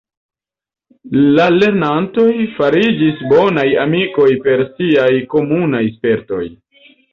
La lernantoj fariĝis bonaj amikoj per siaj komunaj spertoj.